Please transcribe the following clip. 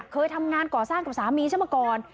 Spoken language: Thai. เคยทำงานก่อสร้างกับสามีซะมาก่อน